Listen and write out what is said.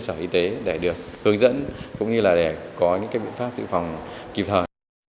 các cơ sở y tế để được hướng dẫn cũng như là để có những cái biện pháp tự phòng kịp thời